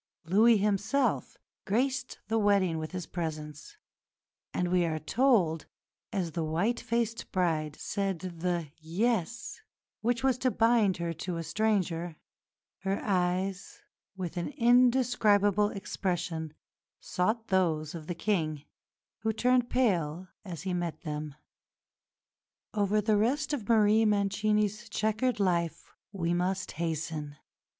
Louis himself graced the wedding with his presence; and we are told, as the white faced bride "said the 'yes' which was to bind her to a stranger, her eyes, with an indescribable expression, sought those of the King, who turned pale as he met them." Over the rest of Marie Mancini's chequered life we must hasten.